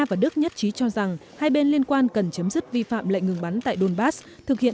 và đức nhất trí cho rằng hai bên liên quan cần chấm dứt vi phạm lệnh ngừng bắn tại donbass thực hiện